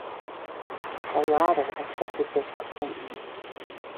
The latter accepted this appointment.